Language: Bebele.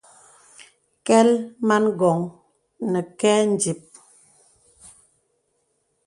Kɛ̀l man wɔŋ nə kɛ ǹdìp.